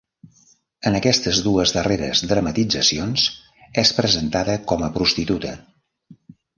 En aquestes dues darreres dramatitzacions, és presentada com a prostituta.